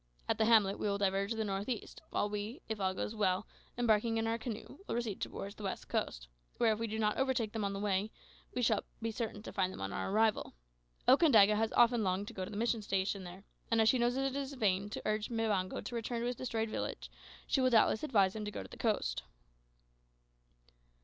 At the hamlet we will diverge to the north east, while we, if all goes well, embarking in our canoe, will proceed toward the west coast, where, if we do not overtake them on the way, we shall be certain to find them on our arrival. Okandaga has often longed to go to the mission station there, and as she knows it is in vain to urge Mbango to return to his destroyed village, she will doubtless advise him to go to the coast."